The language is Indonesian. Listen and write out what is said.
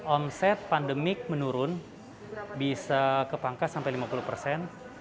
omset pandemik menurun bisa kepangkas sampai lima puluh persen